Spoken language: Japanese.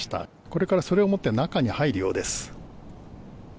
これから、それを持って中に入るようです。